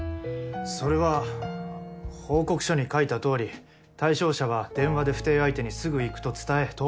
それは報告書に書いたとおり対象者は電話で不貞相手にすぐ行くと伝え東都ホテルへ。